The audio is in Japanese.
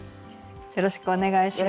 よろしくお願いします。